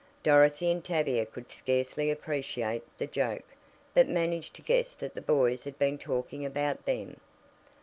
Dorothy and Tavia could scarcely appreciate the joke, but managed to guess that the boys had been talking about them.